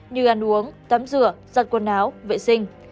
như ăn uống tắm rửa giặt quần áo vệ sinh